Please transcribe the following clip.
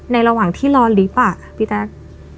ในระหว่างที่รอลิฟท์อะพี่แต๊ก